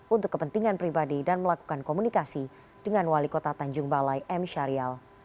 untuk kepentingan pribadi dan melakukan komunikasi dengan wali kota tanjung balai m syarial